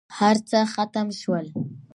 هرڅه ختم شول.